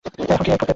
এখন কি করতে পারি।